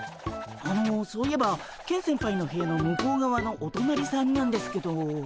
あのそういえばケン先輩の部屋の向こうがわのおとなりさんなんですけど。